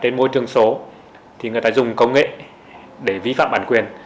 người ta dùng công nghệ để vi phạm bản quyền